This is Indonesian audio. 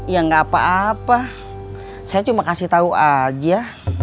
ya gak apa apa saya cuma kasih tahu aja